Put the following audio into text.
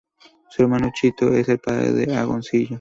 Su hermano, Chito, es el padre de Agoncillo.